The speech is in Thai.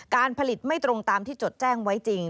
การผลิตไม่ตรงตามที่จดแจ้งไว้จริง